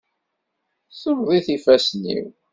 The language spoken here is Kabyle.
Semmeḍit yifassen-iw.